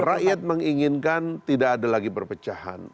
rakyat menginginkan tidak ada lagi perpecahan